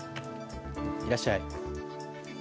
いらっしゃい。